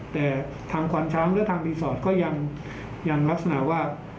แต่ทางควานช้างหรือทางรีสอร์ทก็ยังลักษณะว่า